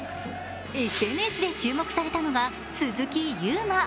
ＳＮＳで注目されたのが鈴木優磨。